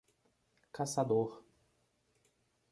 Caçador